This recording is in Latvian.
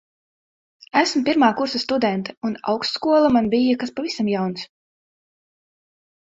Esmu pirmā kursa studente, un augstskola man bija kas pavisam jauns.